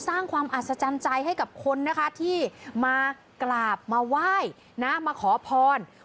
สร้างความอัศจรรย์ใจให้กับคนนะคะที่มากราบมาไหว้นะมาขอพร